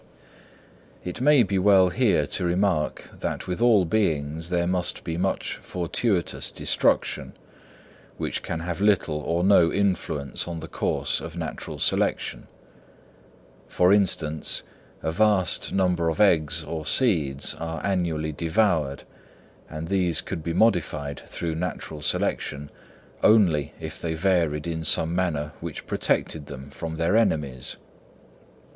It may be well here to remark that with all beings there must be much fortuitous destruction, which can have little or no influence on the course of natural selection. For instance, a vast number of eggs or seeds are annually devoured, and these could be modified through natural selection only if they varied in some manner which protected them from their enemies.